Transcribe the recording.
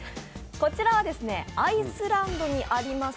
こちらはアイスランドにあります